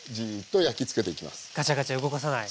ガチャガチャ動かさない。